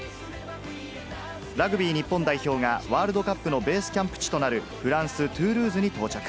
ラグビー日本代表が、ワールドカップのベースキャンプ地となる、フランス・トゥールーズに到着。